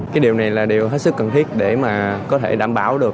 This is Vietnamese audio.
cái điều này là điều hết sức cần thiết để mà có thể đảm bảo được